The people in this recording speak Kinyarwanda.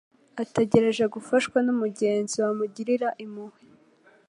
ategereje gufashwa n’umugenzi wamugirira impuhwe